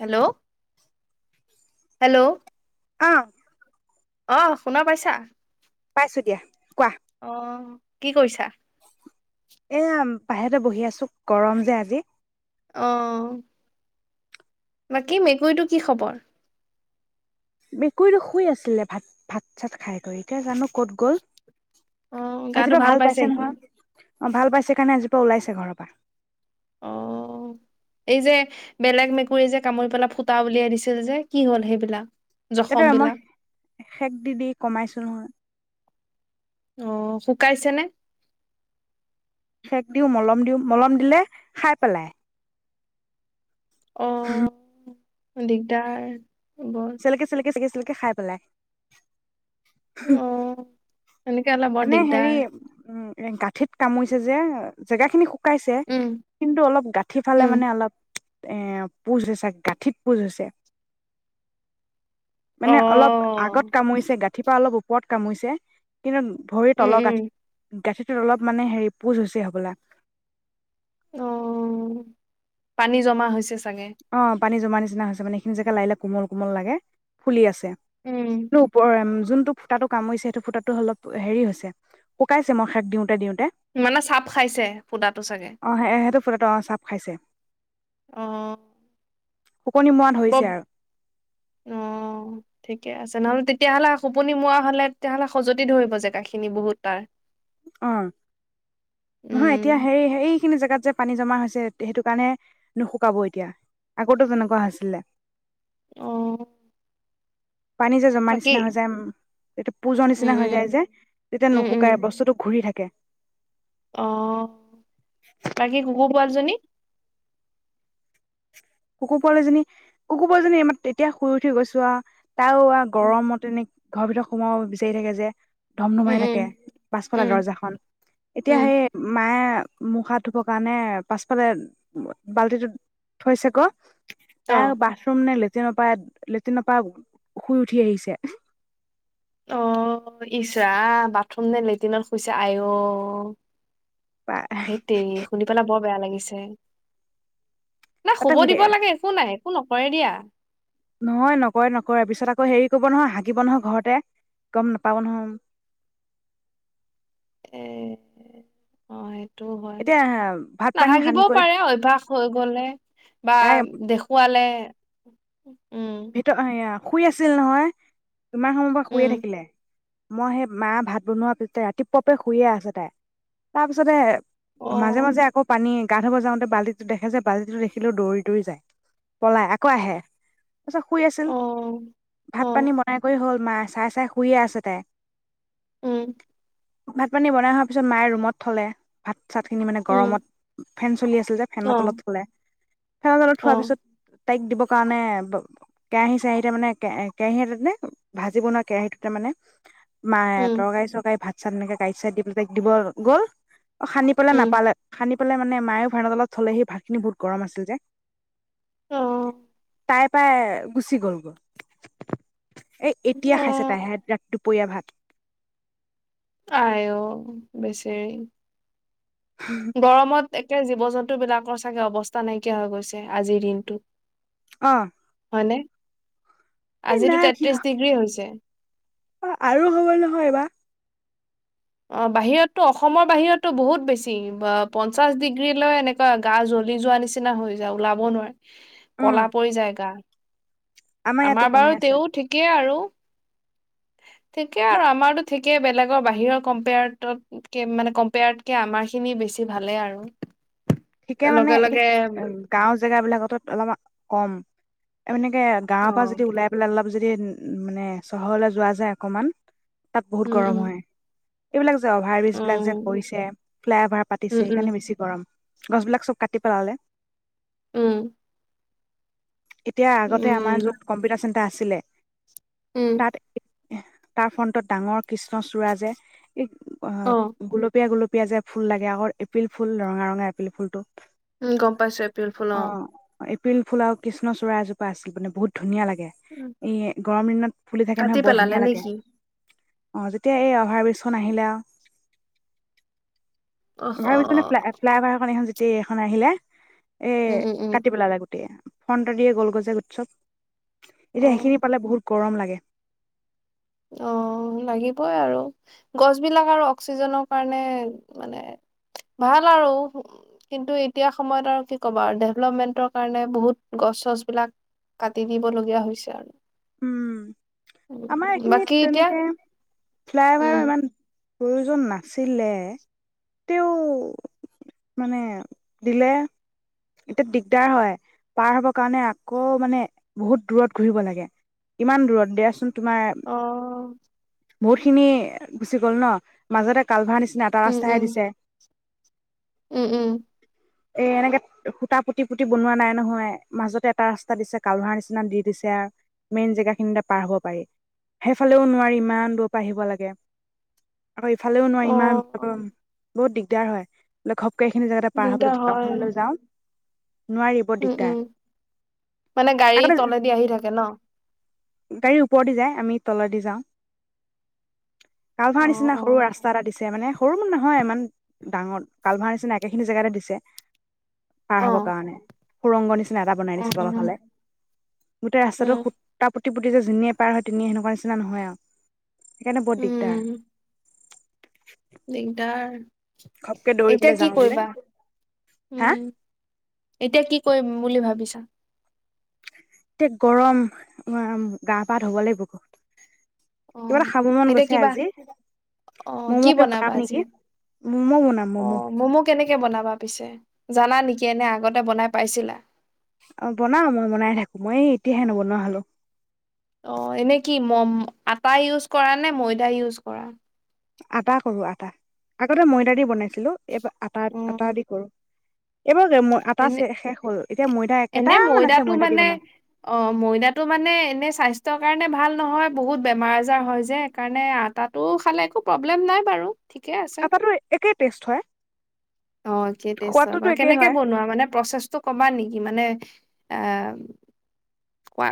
Hello hello অ অ শুনা পাইছা? পাইছো দিয়া কোৱা। অ কি কৰিছা? এয়া বাহিৰেতে বহি আছো গৰম যে আজি। আহ। বাকী মেকুৰীটো কি খবৰ। মেকুৰীতো শুই আছিলে ভাত ভাত চাত খাই কৈ এতিয়া জানো। ক'ত গ'ল অ গাটো আজি পৰা ভাল পাইছে সি নহয়। অ ভাল পাইছে কাৰণে আজিৰ পৰাা ওলাইছে ঘৰৰ পৰা। অ এই যে বেলেগ মে কুুৰি যে কামুৰি পেলাই ফুটা উলিয়াই দিছিল যে কি হ'ল সেইবিলাক? জখম এটোবে মই বিলাক সেক দি দি কমাইছো নহয়। আহ শুকাইছেনে? সেক দিওঁ মলম দিওঁ মলম দিলে খাই পেলাই। অ। দিগদাৰ। বৰ চেলেকি চেলেকি চেকিচিলে। কে খাই পেলাই। আহ। এনেকে হলে বৰ দিগদাৰ। এ গাঁঠিত কামুৰিছে যে জেগা খিনি। শুকাইছে উম কিন্তু অলপ গাঁঠি ফালে উম মানে অলপ। এ পোজ হৈছে গাঁঠিত পোজ হৈছে। অ মানে অলপ আগত কামুৰিছে গাঁঠিৰ পৰা অলপ ও। পদ কামুইছে কিন্তু ভৰি উম তলৰ উম গাঠি গাঠিত অলপ মানে হেৰি পোজ হৈছে সবলা অ পানী জমা হৈছে। চাগে অ পানী জমা নিচা নিচিনা হৈছে মানে এইখিনি জাগা লাগে কোমল কোমল লাগে ফুলি আছে। উম [unintelligible] যোনটো ফুটাটো কামুৰিছে সেইটো ফুটাটো অলপ হেৰি হৈছে শুকাইছে মই শাক দিওঁতে, দিওঁতে মানে চাপ খাইছে ফুটাটো চাগে অ সেইটো ফুটাটো অ চাপ খাইচে। অ মৰা ব ধৰিছে আৰু অ ঠিক ঠিকে আছে নহলে তেতিয়াহলে খোপনি মোৱা হলে তেতিয়াহলে সজতি ধৰিব জেগাখিনি বহুত তাৰ। অ নহয় এতিয়া উম সেই সেইখিনি জেগাত যে পানী জমা হৈছে সেইটো কাৰণে নুশুকাব এতিয়া আগতো তেনেকুৱা হৈছিলে। অহ পানী যে জমা নিচিনা হৈ যায় তেতিয়া পুজৰ উম নিচিনা হৈ উম যায় যে তেতিয়া উম উম নুশুকাই বস্তুটো ঘূৰি থাকে। [inaudible] অ বাকী কুকুৰ পোৱালিজনী। কুকুৰ পোৱালীজনী কুকুৰ পোৱালিজনী এতিয়া শুই উঠি গৈছো আ তাও আৰু উম গৰমতে এনেক ঘৰৰ ভিতৰত সোমাব বিচাৰি থাকে যে ধমধমাই থাকে। উম পাছফালৰ উম দৰ্জাখন এতিয়া উম সেই মায়ে মুখ হাত ধুবৰ কাৰণে পাছফালে বাল্টিটো থৈছে ক অ ত বাথৰুম নে লে লেট্ৰিনৰ পৰা লেট্ৰিনৰ পৰা শুই উঠি আহিছে। অ ইচ ৰাম বাথৰুম নে লেট্ৰিনত শুইছে আই অ ধেৎ তেৰি শুনি পেলাই বৰ বেয়া লাগিছে। না তাতে শুব শুই দিব থাকে লাগে একো নাই। একো নকৰে দিয়া। নহয় নকৰে নকৰে পিছত আকৌ হেৰি কৰিব নহয় হাগিব নহয় ঘৰতে গম নাপাব নহয়। এ অ সেইটো। সেটো হয়। এতিয়া ভাত পানী সানি নাহাগিবও কৰি পাৰে অভ্যাস হৈ গলে বা তাই দেখুৱালে। [unintelligible] ভিতৰ শুই আছিল নহয়। ইমান সময়ৰ পৰা শুইয়ে উম থাকিলে মই সেই মা ভাত বনোৱা পিছতে ৰাতিপুৱা পৰা শুইয়ে আছে তাই, তাৰ পিছতে অ মাজে মাজে আকৌ পানী গা ধুব যাওঁতে বাল্টিটো দেখে যে বাল্টিটো দেখিলেও দৌৰি দৌৰি যায়। পলাই, আকৌ আহে। তাৰপিছত শুই আছিল, অ অ ভাত পানী বনাই কৰি হ'ল, মা চাই চাই শুইয়ে আছে তাই। উম ভাত পানী বনাই হোৱাৰ পিছত মায়ে ৰুমত থলে। ভাত চাট খিনি মানে উম গৰমত ফেন চলি আছিল যে ফেনত অ তলত থ'লে। ফেনৰ তলত অ থোৱাৰ পিছত তাইক দিবৰ কাৰণে কেৰাহী চৰাহী তাৰ মানে কে কেৰাহী এটাতে ভাজিব বনোৱা কেৰাহীটোতে মানে মায়ে উম তৰকাৰী চৰকাৰী ভাত চনেকে গা চা দি পেলাই তাই দিব গ'ল অ' খানিবলে উম নাপালে খানি পালে মানে মায়েও ফেনৰ তলত থলেহি, ভাতখিনি বহুত গৰম আছিল যে। অ' তাই পাই গুচি গ'ল। এই এতিয়া অ খাইছে তাইহে ৰাতিটো দুপৰিয়া ভাত আই অ' বেচেৰী গৰমত একে, জীৱ জন্তু বিলাকৰ চাগে অৱস্থা নাইকিয়া হৈ গৈছে আজিৰ দিনটোত। অ' হয়নে? আজিতো তেত্ৰিশ ডিগ্ৰী হৈছে। অ' আৰু হব নহয় এই বাৰ। অ' বাহিৰতো অসমৰ বাহিৰতো বহুত বেছি, পঞ্চাশ ডিগ্ৰীলৈ এনেকুৱা গা জ্বলি যোৱা নিচিনা হৈ যায়। ওলাব নোৱাৰে, উম ক'লা পৰি যায় গা। ইয়াতো আমাৰ কমি বাৰু আছে তেও ঠিকেই আৰু। ঠিকে আৰু আমাৰো ঠিক বেলেগৰ বাহিৰৰ কম্পেয়াৰত মানে কম্পেয়াৰতকে আমাৰ খিনি বেছি ভালে আৰু। ঠিকে মানে, লগে এই লগে গাওঁ জেগাবিলাকতো অলপমান কম। এনেকে গাঁৱৰ অ পৰা যদি ওলাই পেলাই অলপ যদি মানে চহৰলৈ যোৱা যায় অকমান তাত বহুত উম গৰম উম হয়। এইবিলাক যে, অভাৰ অ ব্ৰীজ বিলাক যে কৰিছে, ফ্লাই অভাৰ পাতিছে, উম উম সেইকাৰণে বেছি গৰম। গছবিলাক চব কাটি পেলালে। উম। এতিয়া আগতে উম আমাৰ য'ত কম্পিউটাৰ চেণ্টাৰ আছ আছিলে উম। তাত তাৰ ফ্ৰটত ডাঙৰ কৃষ্ণচূৰাজে এই অ', গোলপীয়া-গোলপীয়া পিয়াজাৰ ফুল লাগে আকৌ এপিল ফুল ৰঙা-ৰঙা এপিল ফুল টো। উম, গম পাইছো এপ্ৰিল ফুল অ'। পিল ফুলাও কৃষ্ণূড়জোপা আছিল মানে বহু ধুনীয়া লাগে দি এই গৰম দিনত ফুলি কাটি পেলালে নেকি? অহ যেতিয়া এই অভাৰ বিজখন আহিলে আৰু। অহ অভাৰ মান ফাই ফ্লাইভাৰখন এইখন যি গোটেই এখন আহিলে। এ উম উম উম কাটি পেলালে গ [unintelligible] ফ্ৰণ্ট দিয়ে গ'ল গজে উৎসৱ অ এতিয়া সেইখিনি পালে বহুত গৰম লাগে। অ', লাগিবই আৰু! গছবিলাক আৰু অক্সিজেনৰ কাৰণে মানে ভাল আৰু কিন্তু, এতিয়া সময়ত আৰু কি ক'বা আৰু ডেভলপমেন্টৰ কাৰণে বহুত গছ-চছবিলাক কাটি দিবলগীয়া হৈছে আৰু। উম আমাৰ উম বাকী এইখিনিত এতিয়া তেনেকে ফ্লাই অভাৰৰ উম ইমান প্ৰয়োজন নাছিলে তেওঁ মানে দিলে, এতিয়া দিগদাৰ হয় পাৰ হব কাৰণে আকৌ মানে বহুত দূৰত ঘূৰিব লাগে। ইমান দূৰত দিয়াচোন। তোমাৰ অ বহুত খিনি গুচি গ'ল ন মাজতে কালভাৰ নিচিনা নিচিনা এটা উম ৰাস্তাহে উম দিছে। উম, উম। এ এনেকে সূতা পুতি-পুতি বনোৱা নাই নহয়, মাজতে এটা ৰাস্তা দিছে কালোহাৰ নিচিনা দি দিছে আৰ, মেইন জেগা খিনিতে পাৰ হ'ব। পাৰি সেইফালেও নোৱাৰি ইমান দূৰ পৰা আহিব লাগে। আকো ইফালেও নোৱাৰি অ ইমান [unintelligible] বহুত দিগদাৰ হয় বোলে ঘ গেইখিনি জেগাতে পাৰ হব, দিগদাৰ হয় দোকওখনলৈ যাওঁ। নোৱাৰি বৰ উম, দিগদাৰ উম, মানে গাড়ী তলেদি আহি থাকে ন? গাড়ী ওপৰ দি যায় আমি তিলদি যাওঁ৷ কালভাৰৰ অ নিচিনা অ সৰু ৰাস্তা এটা দিছে৷ দিছে মানে সৰুও নহয় ইমান ডাঙৰ কালভাৰৰ নিচিনা একেখিনি জেগাতে দিছে৷ পাৰ অ হব কাৰণে৷ সুৰংগ নিচি এটা বনাই অ দিছে তলৰ ফালে৷ গোটে ৰাস্তাটো উম খুুটা পু তি পুতিছে যিনিয়ে পাৰ হয় তেনিয়ে সেনেকুৱা নিচিনা নহয় আৰু৷ সিকাৰণে বহত দিগদাৰ৷ উম দিগদাৰ ঘপকে দৌৰি এতিয়া পেলাই কি যাওঁ বোলে কৰিবা হা উম এতিয়া কি কৰিম বুলি ভাবিছা? এতিয়া গৰম উ গা -পা ধুব লাগিব অ কিবা এটা খাব মন এতিয়া গৈছে কিবা আজি অ কি ম'ম'কে বনাবা বনাম আজি নেকি৷ ম'ম' বনাম ম'ম'৷ কেতিয়া বনাবা পিছে? জানা নেকি? এনে আগতে বনাই পাইছিলা? অ বনাও, মই বনাই থাকো৷মই এতিয়াহে নবনোৱা হলো৷ অ এনে কি ম আটা ইউজ কৰা নে ময়দা ইউজ কৰা? আটা কৰো আটা৷ আগতে ময়দা দি বনাই আছিলো এইবাৰ আটা উম আটা দি কৰো৷ এইবাৰ আটা এনে শেষ হ'ল এতিয়া ময়দা এনে কেইটামান আছে ময়দাটো ময়দা দি মানে বনাম অ ময়দাটো মানে এনে স্বাস্থ্য কাৰণে নে ভাল নহয়, বহুত বেমাৰ -আজাৰ হয় যে সেইকাৰণে আটাটো খালে একো প্ৰব্লেম নাই বাৰু৷ ঠিকে আছে আটাটোৰ একেই টেষ্ট হয়৷ অ যে টেষ্ট হয় সোৱাদটোতো বাৰু একেই কেনেকে হয় বনোৱা মানে প্ৰচেছটো কবা নেকি? মানে আহ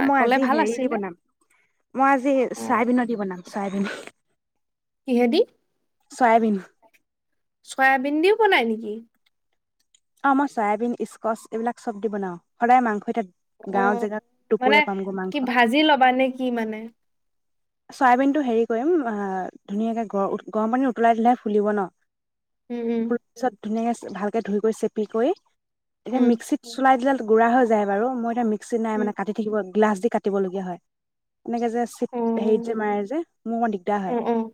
এ মই আজি হেৰি দি বনাম৷ মই আজি অ চয়াবিনত দি বনাম চয়াবিন৷ কিহে দি চয়াবিন চয়াবিন দিও বনাই নেকি? অ মই চয়াবিন ইছস্কচ এইবিলাক চব দি বনাও৷ সদায় মাংস এতিয়া অ গাঁওৰ জেগাত মানে দুপৰীয়া পামগৈ কি মাংস ভাজি ল'বা নে কি মানে? চয়াবিন টো হেৰি কৰিম অ ধুনীয়াকে গ গৰম পানীত উতলাই দিলেহে ফুলিব ন? উম উম ফুলাৰ পিছত ধুনীয়াকে চ ভালকে ধুই কৰি চেপি কৰি এতিয়া মিক্সিত চলাই দিলে গু়ৰা হৈ যায় বাৰু মই এ মি মিক নাই উম, মানে কাটি থাকিব গ্লাছ দি কাটিবলগীয়া হয় এনেকে যে হেৰিত যে উম, মাৰে যে মোৰ অকমান দিগদাৰ অ', হয় অ', অ',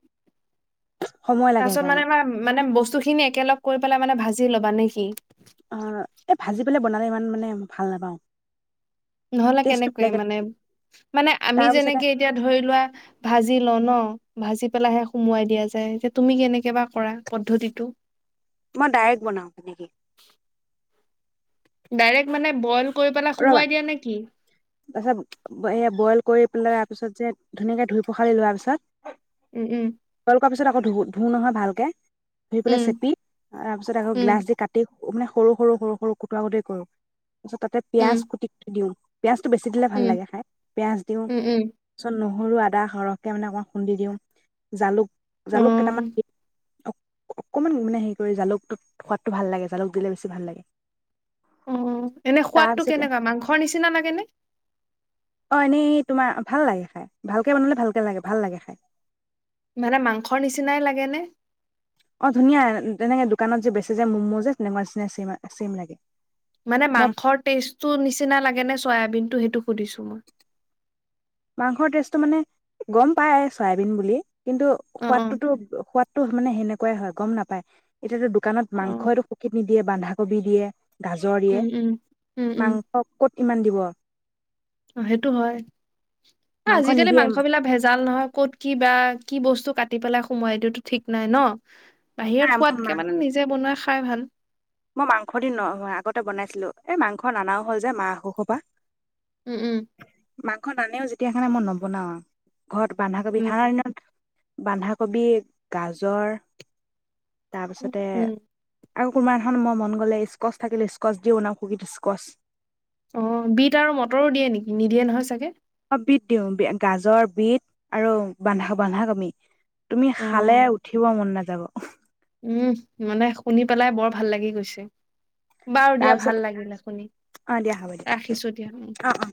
সময় লাগে তাৰপিছত মানে সেইকাৰণে আমাৰ মানে বস্তু খিনি একেলগ কৰি পেলাই মানে ভাজি জি ল'বা নেকি অ এ ভাজি পেললে বনাম ইমান মানে ভাল নাপাওঁ নহলে টেষ্টটো কেনেকৈে বেলেগ মানে মানে আমি তাৰপিছতে যেনেকে এতিয়া ধৰি লোৱা ভাজি ল ন ভাজি পেলাইহে সুমোৱাই দিয়া যায় যে তুমি কেনেকে বাা কৰা পদ্ধতি টো মই ডাইৰেক্ট বনাওঁ পিটিকি ডাইৰেক্ট মানে বল ৰবা তাৰছত স বইল কৰি পেলাই তাৰপিছত যে ধুনীয়াকে ধুই পখালি লোৱা পিছত উম উম বইল পিছত আকৌ ধু ধু নহয় ভালকে ধুই পেলাই উম, চেপি তাৰ পিছত আকৌ উম, গ্লাছ দি কাটি মানে সৰু সৰু সৰু সৰু কুট কুতেেই কৰো তাৰছত উম, পিয়াজ খুট খুট দিওঁ পিঁয়াজটো বেছি দিলে ভাল উম, লাগে খাই। পিঁয়াজ দিও, উম, উম, তাৰপিছত ন নহৰু, আদা সৰহকে মানে অকণমান খুন্দি দিওঁ জালুক। জালুক কেইটামান। অ', অকমান মানে হেৰি কৰি জালুকটোত সোৱাদটো ভাল লাগে, জালুক দিলে বেছি ভাল লাগে। ও' এনে সোৱাদটো তাৰপিছতে কেনেকুৱা, মাংসৰ নিচিনা লাগে নে। অ' এনেই তোমাৰ ভাল লাগে খাই, ভালকে বনালে ভালকে লাগে ভাল লাগে খাই। মানে মাংসৰ নিচিনাই লাগেনে। অ' ধুনীয়া, তেনেকে দোকানত যে বেচে যে ম'মো যে তেনেকুৱা নিচিনা চেম চেম লাগে। মানে মই মাংসৰ টেষ্টটো নিচিনা লাগে নে চয়াবিন। টো সেইটো সুধিছো মই। মাংসৰ টেষ্টটো মানে, গম পায় চয়াবিন বুলি। কিন্তু অ অ সোৱাদটোতো সোৱাদতটো মানে সেনেকা কয় হয়, গম নাপায়। এতিয়াতো দো দোকানত অ মাংসটো কুকি নিদিয়ে বানধা কবি দিয়ে, গাজৰ দিয়ে, উম উম উম মাংস ক'ত ইমান দিব অ'সেইটো হয়। আজিকালি মাংস বিলাক ভেজাল নহয়, ক'ত কি বা কি বস্তু কাটি পেলাই সোমোৱাই দিওঁতো ঠিক নাই ন বাহিৰৰ নাই মই সোৱাদকে মাং মানে নিজে বনোৱাই খা খাই ভাল পাই মই মাংস দিন ন আগতে বনাইছিলো এই মাংস নানাও হল যে মা অসু‌স হোৱা পা। উম উম মাংস নানেও যেতিয়াসেইকাৰনে মই নবনাও আৰু ঘৰত বান্ধাকবি উম থানা দিনত বন্ধাকবি, গাজৰ উম তাৰপিছতে উম আৰু কোমাৰ মই মন গ'লে স্কচ থাকিল স্কচ দি ও বনাও কবি স্কচ অ বিট আৰু মটৰো দিয়ে নেকি নিদিয়ে নহয় চাগে অ বিট দিওঁ গাজৰ বিট আৰু বান্ধা বান্ধা কবি বি তুমি অ খালে উঠিব মন নাযায় যাব উম মানে শুনি পেলাই বৰ ভাল লাগি গৈছে বাৰু দিয়া তাৰ পিছত ভাল লাগিলে শুনি অ দিয়া হ'ব দিয়া ৰাখিছো দিয়া উ অ অ